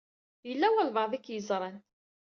Yella walebɛaḍ i k-id-yeẓṛan.